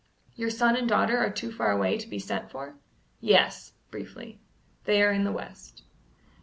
"Your son and daughter are too far away to be sent for?" "Yes" briefly "they are in the west."